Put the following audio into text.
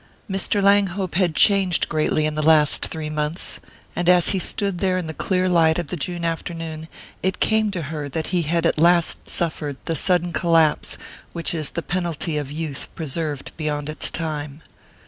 Mr. Langhope had changed greatly in the last three months; and as he stood there in the clear light of the June afternoon it came to her that he had at last suffered the sudden collapse which is the penalty of youth preserved beyond its time.